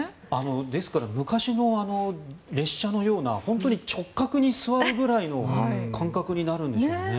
ですから昔の列車のような本当に直角に座るぐらいの感覚になるんでしょうね。